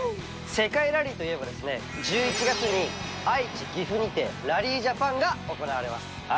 世界ラリーといえばですね１１月に愛知・岐阜にてラリージャパンが行われます。